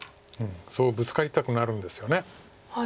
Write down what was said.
そうブツカりたくなるんですよね。